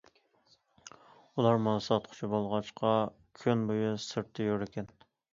ئۇلار مال ساتقۇچى بولغاچقا، كۈنبويى سىرتتا يۈرىدىكەن.